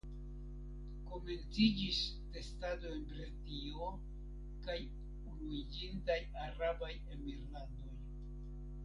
Komenciĝis testado en Britio kaj Unuiĝintaj Arabaj Emirlandoj.